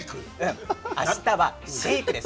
あしたはシェークです。